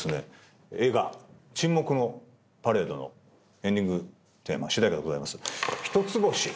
映画『沈黙のパレード』のエンディングテーマ主題歌でございます『ヒトツボシ』